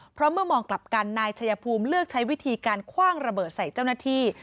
เพราะเมื่อมองกลับกันนายชายภูมิเลือกใช้วิธีการคว่างระเบิดใส่เจ้าหน้าที่